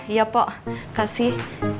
iya pak kasih